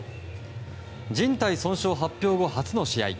じん帯損傷発表後、初の試合。